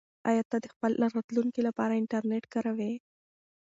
آیا ته د خپل راتلونکي لپاره انټرنیټ کاروې؟